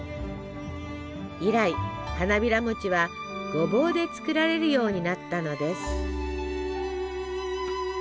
以来花びらもちはごぼうで作られるようになったのです。